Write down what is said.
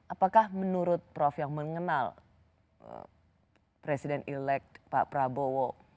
apakah menurut prof yang mengenal presiden elek pak prabowo